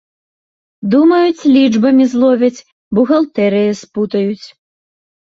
Думаюць, лічбамі зловяць, бухгалтэрыяй спутаюць.